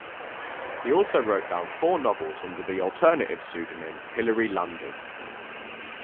He also wrote four novels under the alternative pseudonym Hilary Landon.